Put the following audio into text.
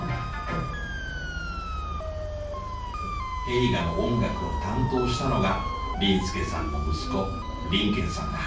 映画の音楽を担当したのが林助さんの息子林賢さんだ。